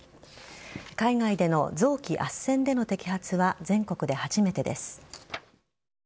海外での臓器あっせんでの摘発は全国で初めてです。